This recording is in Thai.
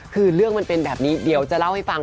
คือเรื่องมันเป็นแบบนี้เดี๋ยวจะเล่าให้ฟัง